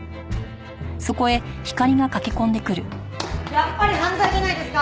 やっぱり犯罪じゃないですか！